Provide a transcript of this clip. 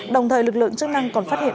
đồng thời lực lượng chức năng còn phát hiện